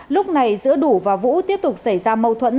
lúc này giữa đủ và vũ tiếp tục xảy ra mâu thuẫn